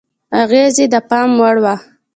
اغېز یې د پام وړ و.